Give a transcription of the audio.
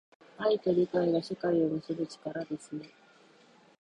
愛と理解が、社会を結ぶ力ですね。